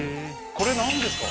これなんですか？